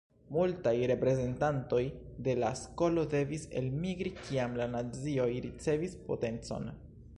Multaj reprezentantoj de la skolo devis elmigri, kiam la nazioj ricevis potencon.